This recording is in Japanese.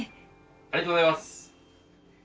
ありがとうございます。